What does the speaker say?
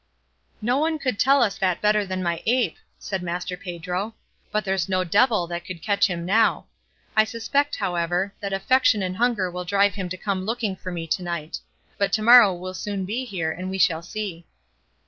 "No one could tell us that better than my ape," said Master Pedro; "but there's no devil that could catch him now; I suspect, however, that affection and hunger will drive him to come looking for me to night; but to morrow will soon be here and we shall see."